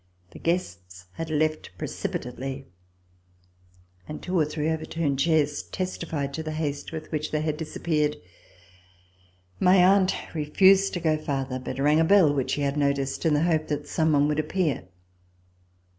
The guests had left precipitately, and two or three over turned chairs testified to the haste witl\ which they had disappeared. My aunt refused to go farther, but rang a bell, which she had noticed, in the hope that some one would appear.